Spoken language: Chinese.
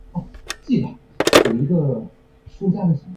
并且表示政府在履行此一职责时要注意勿偏袒特定宗教。